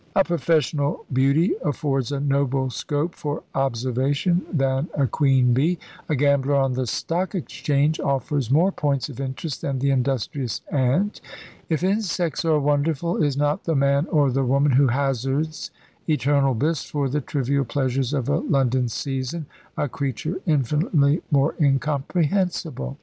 A professional beauty affords a nobler scope for observation than a queen bee; a gambler on the stock exchange offers more points of interest than the industrious ant. If insects are wonderful, is not the man or the woman who hazards eternal bliss for the trivial pleasures of a London season a creature infinitely more incomprehensible?